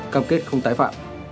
cam kết không tái phạm